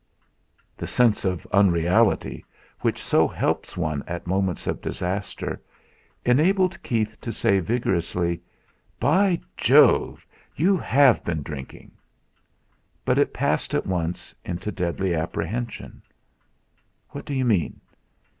The sense of unreality which so helps one at moments of disaster enabled Keith to say vigorously: "By Jove! You have been drinking!" But it passed at once into deadly apprehension. "What do you mean?